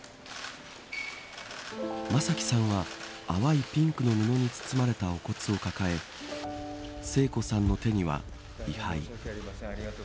正輝さんは淡いピンクの布に包まれたお骨を抱え聖子さんの手には位牌。